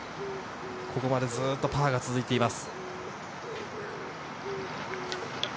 ここまでパーが続いています。